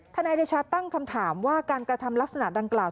นายเดชาตั้งคำถามว่าการกระทำลักษณะดังกล่าว